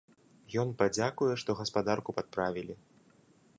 Ён падзякуе, што гаспадарку падправілі.